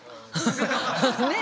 ねえ。